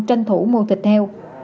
thủ mua thịt heo